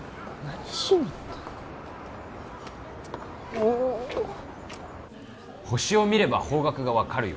もう星を見れば方角が分かるよ